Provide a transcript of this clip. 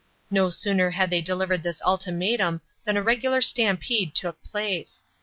No sooner had they delivered this ultimatum than a regular stampede took place.